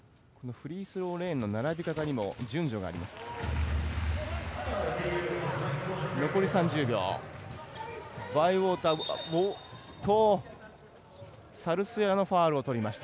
フリースローレーンの並び方にも順序があります。